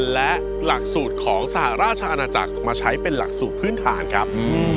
และหลักสูตรของสหราชอาณาจักรมาใช้เป็นหลักสูตรพื้นฐานครับ